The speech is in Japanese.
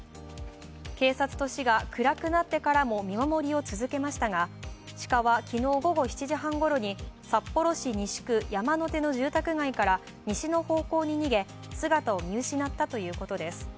警察と市が暗くなってからも見守りを続けましたが、鹿は昨日午後７時半ごろに札幌市西区山の手の住宅街から西の方向に逃げ、姿を見失ったということです。